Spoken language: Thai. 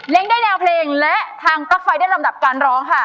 ได้แนวเพลงและทางปลั๊กไฟได้ลำดับการร้องค่ะ